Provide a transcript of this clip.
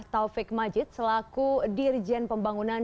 taufik majid selaku dirjen pembangunan